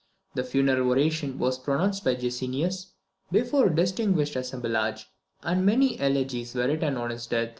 The funeral oration was pronounced by Jessenius, before a distinguished assemblage, and many elegies were written on his death.